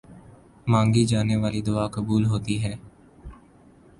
مانگی جانے والی دعا قبول ہوتی ہے۔